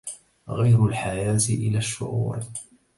غير الحياة إلى الشعور